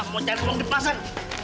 mau cari duit di pasar